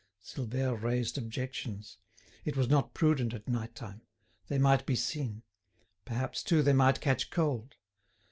Silvère raised objections; it was not prudent at night time; they might be seen; perhaps, too they might catch cold.